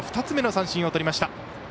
２つ目の三振をとりました。